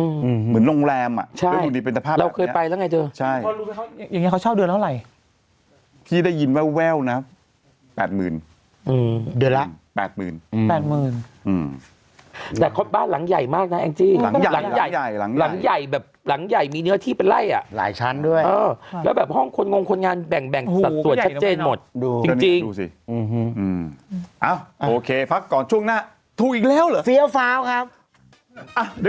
อืมอืมอืมอืมอืมอืมอืมอืมอืมอืมอืมอืมอืมอืมอืมอืมอืมอืมอืมอืมอืมอืมอืมอืมอืมอืมอืมอืมอืมอืมอืมอืมอืมอืมอืมอืมอืมอืมอืมอืมอืมอืมอืมอืมอืมอืมอืมอืมอืมอืมอืมอืมอืมอืมอืมอืม